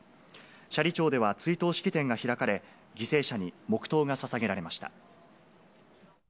斜里町では追悼式典が開かれ、犠牲者に黙とうがささげられました。